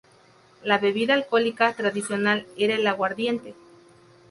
La bebida alcohólica tradicional era el aguardiente.